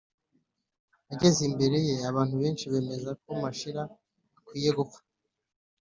ageze imbere ye abantu benshi bemeza ko mashira akwiye gupfa.